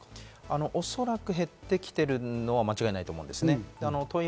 おそらく減ってきているのは間違いないと思うんですね。